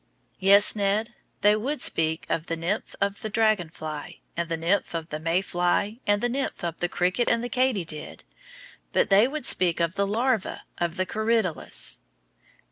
Yes, Ned, they would speak of the nymph of the dragon fly, and the nymph of the May fly and the nymph of the cricket and the katydid, but they would speak of the larva of the corydalus.